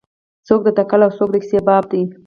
څوک د تکل او څوک د کیسې بابا دی.